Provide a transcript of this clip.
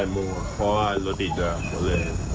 ๘โมงเพราะรถดิดแล้ว